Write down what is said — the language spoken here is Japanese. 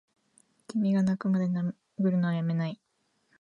君がッ泣くまで殴るのをやめないッ！